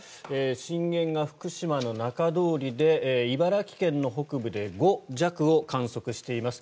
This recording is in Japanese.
震源が福島の中通りで茨城県の北部で５弱を観測しています。